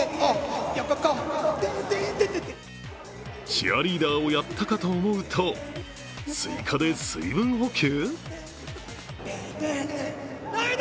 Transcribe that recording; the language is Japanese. チアリーダーをやったかと思うと、スイカで水分補給？